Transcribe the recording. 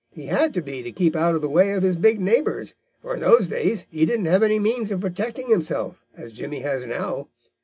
He had to be to keep out of the way of his big neighbors, for in those days he didn't have any means of protecting himself, as Jimmy has now.